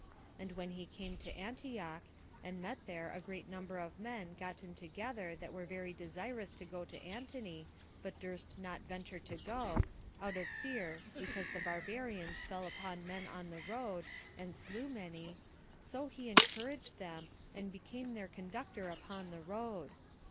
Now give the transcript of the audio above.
And when he came to Antioch, and met there a great number of men gotten together that were very desirous to go to Antony, but durst not venture to go, out of fear, because the barbarians fell upon men on the road, and slew many, so he encouraged them, and became their conductor upon the road.